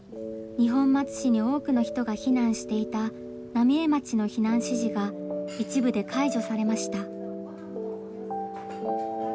二本松市に多くの人が避難していた浪江町の避難指示が一部で解除されました。